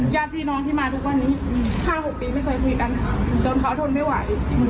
ญาติพี่น้องที่มาทุกวันนี้๕๖ปีไม่เคยคุยกันค่ะจนเขาทนไม่ไหว